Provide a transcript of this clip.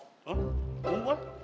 gak mau pak